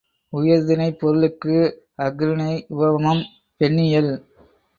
உயர்திணைப் பொருளுக்கு அஃறிணையுவமம் பெண்ணியல்